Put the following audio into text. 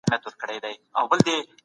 موږ هر عدد پېژنو.